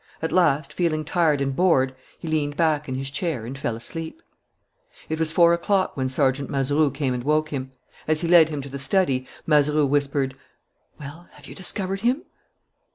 At last, feeling tired and bored, he leaned back in his chair and fell asleep. It was four o'clock when Sergeant Mazeroux came and woke him. As he led him to the study, Mazeroux whispered: "Well, have you discovered him?"